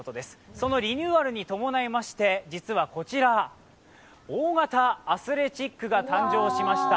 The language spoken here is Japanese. そのリニューアルに伴いまして実はこちら、大型アスレチックが誕生しました。